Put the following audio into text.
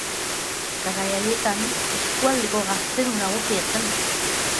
Garai haietan eskualdeko gaztelu nagusia zen.